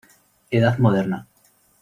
Edad moderna.